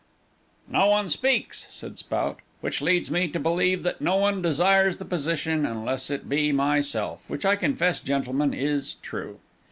"No one speaks," said Spout, "which leads me to believe that no one desires the position unless it be myself, which I confess, gentlemen, is true.